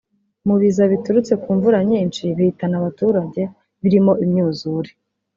Mu biza biturutse ku mvura nyinshi bihitana abaturage birimo imyuzure